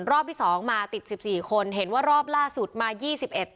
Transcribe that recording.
รอบที่สองมาติดสิบสี่คนเห็นว่ารอบล่าสุดมายี่สิบเอ็ด